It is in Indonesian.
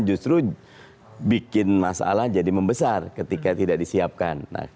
justru bikin masalah jadi membesar ketika tidak disiapkan